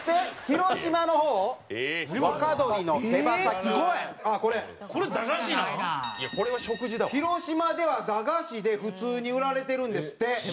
広島では駄菓子で普通に売られてるんですって。